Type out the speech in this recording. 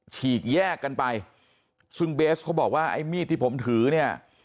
ฉีกแยกกันไปซึ่งเบสเขาบอกว่าไอ้มีดที่ผมถือเนี่ย